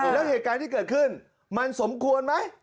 แล้วเหตุการณ์ที่เกิดขึ้นมันสมควรไหม